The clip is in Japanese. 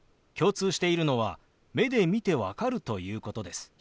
共通しているのは目で見て分かるということです。